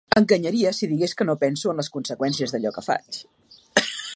Enganyaria si digués que no penso en les conseqüències d’allò que faig.